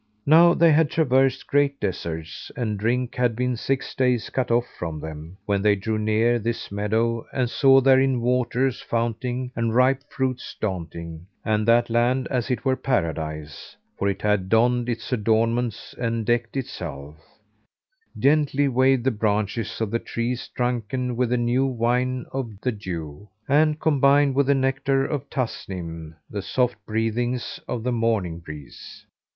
Now they had traversed great deserts and drink had been six days cut off from them, when they drew near this meadow and saw therein waters founting and ripe fruits daunting and that land as it were Paradise; for it had donned its adornments and decked itself.[FN#417] Gently waved the branches of its trees drunken with the new wine of the dew, and combined with the nectar of Tasnim the soft breathings of the morning breeze.